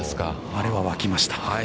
あれは沸きました。